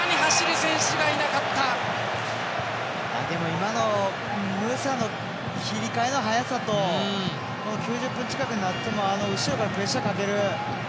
今のムサの切り替えの早さと９０分近くになっても後ろからプレッシャーかける。